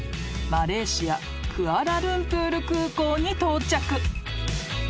マレーシアクアラルンプール空港に到着］